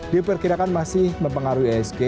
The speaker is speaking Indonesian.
diperkirakan masih mempengaruhi iasg